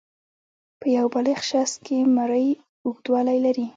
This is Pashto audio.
په یو بالغ شخص کې مرۍ اوږدوالی لري.